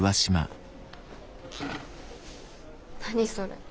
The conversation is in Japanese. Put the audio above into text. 何それ。